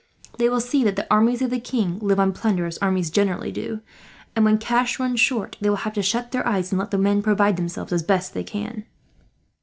They will see that the armies of the king live on plunder, as armies generally do; and when cash runs short, they will have to shut their eyes and let the men provide themselves as best they can."